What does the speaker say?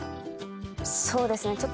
そうですね。